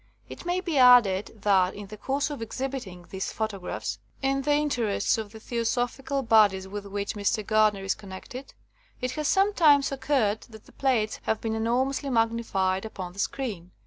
It may be added that in the course of ex hibiting these photographs (in the interests of the Theosophical bodies with which Mr. Gardner is connected), it has sometimes oc curred that the plates have been enormously magnified upon the screen.